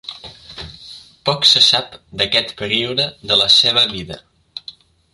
Poc se sap d'aquest període de la seva vida.